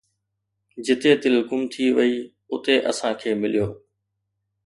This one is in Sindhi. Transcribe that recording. جتي دل گم ٿي وئي، اتي اسان کي مليو